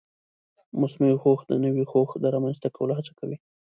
مصنوعي هوښ د نوي هوښ د رامنځته کولو هڅه کوي.